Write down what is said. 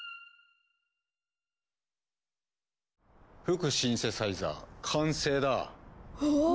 吹くシンセサイザー完成だ。わ！